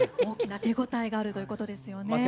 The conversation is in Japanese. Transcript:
大きな手応えがあるということですよね。